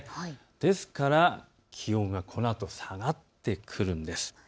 ですから気温がこのあと下がってくるんです。